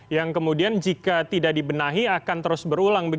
yang kemudian jika tidak dibenahi akan terus berulang